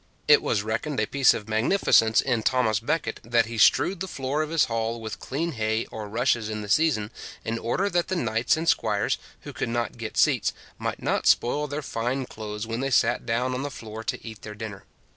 It was reckoned a piece of magnificence in Thomas Becket, that he strewed the floor of his hall with clean hay or rushes in the season, in order that the knights and squires, who could not get seats, might not spoil their fine clothes when they sat down on the floor to eat their dinner.